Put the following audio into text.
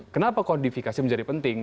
kenapa kodifikasi menjadi penting